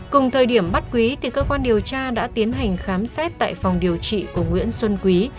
cùng thời điểm bắt quý cơ quan điều tra đã tiến hành khám xét tại phòng điều trị của nguyễn xuân quý